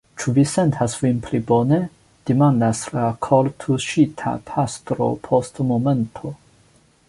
Ĉu vi sentas vin pli bone? demandas la kortuŝita pastro post momento.